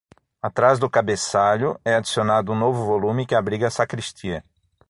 Atrás do cabeçalho, é adicionado um novo volume que abriga a sacristia.